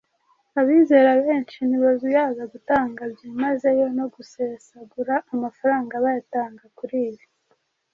Abizera benshi ntibazuyaza gutanga byimazeyo no gusesagura amafaranga bayatanga kuri ibi